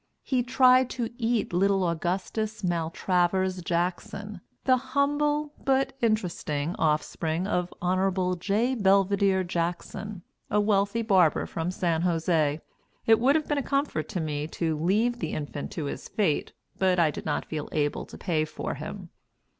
He tried to eat little Augustus Maltravers Jackson, the "humble" but interesting offspring of Hon. J. Belvidere Jackson, a wealthy barber from San Jose. It would have been a comfort to me to leave the infant to his fate, but I did not feel able to pay for him.